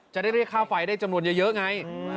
จะได้เรียกค่าไฟได้จำนวนเยอะไง